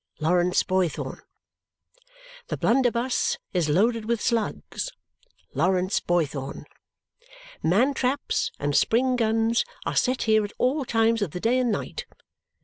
Lawrence Boythorn." "The blunderbus is loaded with slugs. Lawrence Boythorn." "Man traps and spring guns are set here at all times of the day and night.